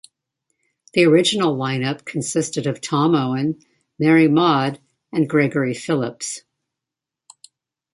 The original lineup consisted of Tom Owen, Mary Maude and Gregory Phillips.